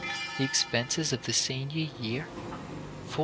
The expenses of the senior year, $496.